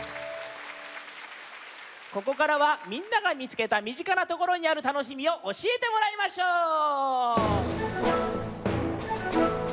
ここからはみんながみつけたみぢかなところにあるたのしみをおしえてもらいましょう！